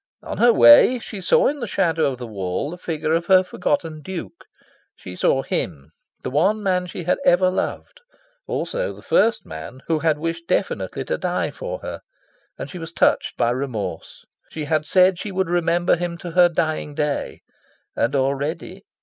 On her way she saw in the shadow of the wall the figure of her forgotten Duke. She saw him, the one man she had ever loved, also the first man who had wished definitely to die for her; and she was touched by remorse. She had said she would remember him to her dying day; and already...